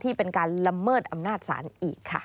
เป็นการละเมิดอำนาจศาลอีกค่ะ